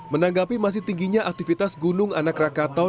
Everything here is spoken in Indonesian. menanggapi masih tingginya aktivitas gunung anak rakatau